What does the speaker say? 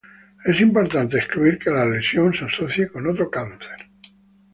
Es importante excluir que la lesión se asocie con otro cáncer.